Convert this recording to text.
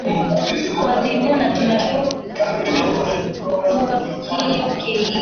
kuadhibiwa na tunashukuru hiyo kutungua hiyo ke